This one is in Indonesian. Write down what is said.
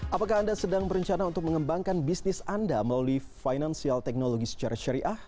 apakah anda sedang berencana untuk mengembangkan bisnis anda melalui financial technology secara syariah